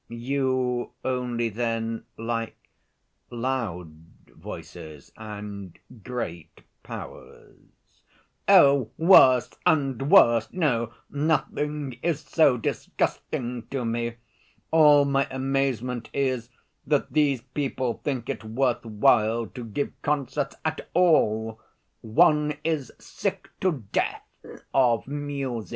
"You only, then, like loud voices, and great powers?" "Oh, worse and worse! no, nothing is so disgusting to me. All my amazement is that these people think it worth while to give concerts at all one is sick to death of music."